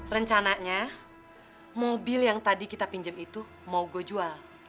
rencananya mobil yang tadi kita pinjam itu mau gue jual